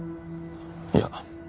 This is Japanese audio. いや。